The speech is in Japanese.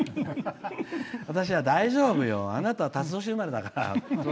私は大丈夫よ、あなたはたつ年生まれですから。